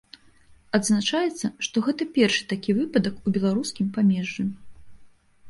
Адзначаецца, што гэта першы такі выпадак у беларускім памежжы.